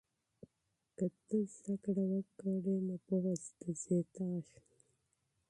که ته درس ووایې پوهه دې زیاتیږي.